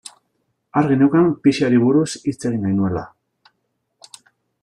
Argi neukan pixari buruz hitz egin nahi nuela.